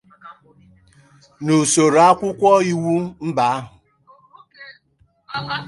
N’usoro akwụkwọ iwu mba ahụ